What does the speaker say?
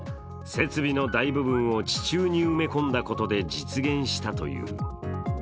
設備の大部分を地中に埋め込んだことで実現したという。